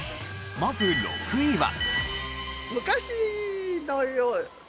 まず６位は。